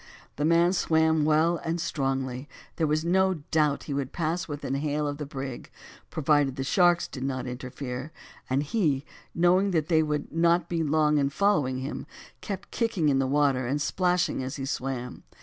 The man swam well and strongly. There was no doubt he would pass within hail of the brig, provided the sharks did not interfere, and he, knowing that they would not be long in following him, kept kicking in the water and splashing as he swam.